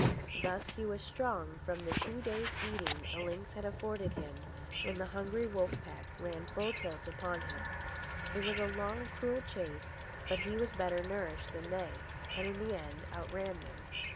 Thus, he was strong from the two days' eating a lynx had afforded him when the hungry wolf pack ran full tilt upon him. It was a long, cruel chase, but he was better nourished than they, and in the end outran them.